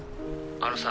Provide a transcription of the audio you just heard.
あのさ。